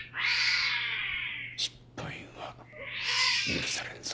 失敗は許されんぞ。